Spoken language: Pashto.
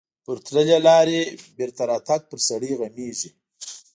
پر تللې لارې بېرته راتګ پر سړي غمیږي.